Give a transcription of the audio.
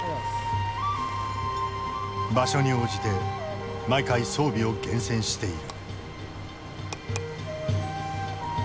場所に応じて毎回装備を厳選している。